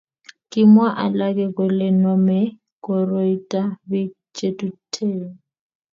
Kimwa alake kole nomei koroita bik chetuen